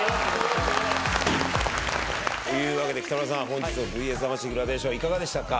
というわけで北村さん本日の『ＶＳ魂』グラデーションいかがでしたか？